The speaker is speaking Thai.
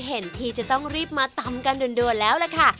เห็นที่จะต้องรีบมาตำกันด่วนแล้วล่ะค่ะ